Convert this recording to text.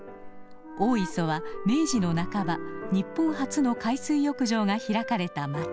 大磯は明治の半ば日本初の海水浴場が開かれた町。